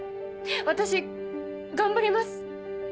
私頑張ります！